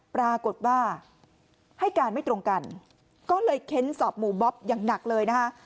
ปรากฏว่าให้การไม่ตรงกันก็เลยเค้นสอบหมู่บ๊อบอย่างหนักเลยนะคะ